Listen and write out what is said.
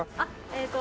えっと